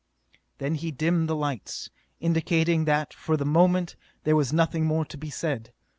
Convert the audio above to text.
Then he dimmed the lights, indicating that for the moment there was nothing more to be said.